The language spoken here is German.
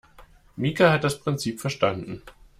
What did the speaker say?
Mika hat das Prinzip verstanden.